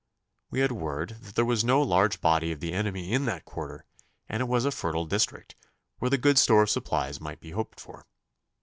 We had word that there was no large body of the enemy in that quarter, and it was a fertile district where good store of supplies might be hoped for.